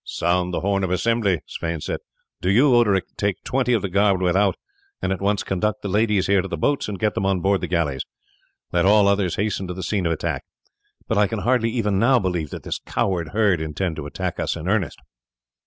"Sound the horn of assembly," Sweyn said. "Do you, Oderic, take twenty of the guard without, and at once conduct the ladies here to the boats and get them on board the galleys. Let all others hasten to the scene of attack. But I can hardly even now believe that this coward herd intend to attack us in earnest."